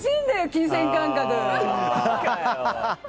金銭感覚。